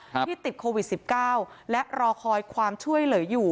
ที่ติดโควิดสิบเก้าและรอคอยความช่วยเหลืออยู่